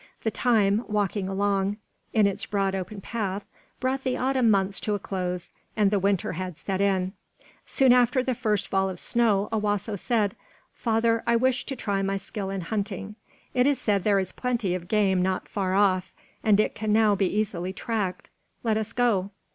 The time, walking along in its broad open path, brought the autumn months to a close, and the winter had set in. Soon after the first fall of snow, Owasso said: "Father, I wish to try my skill in hunting. It is said there is plenty of game not far off, and it can now be easily tracked. Let us go."